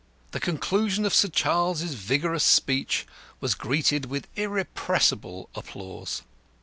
The conclusion of Sir Charles's vigorous speech was greeted with irrepressible applause.